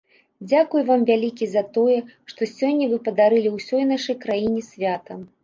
Дзякуй вам вялікі за тое, што сёння вы падарылі ўсёй нашай краіне свята.